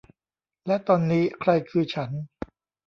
และตอนนี้ ใครคือฉัน